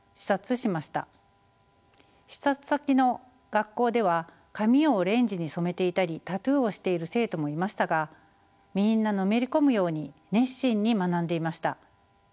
視察先の学校では髪をオレンジに染めていたりタトゥーをしている生徒もいましたがみんなのめり込むように熱心に学んでいました。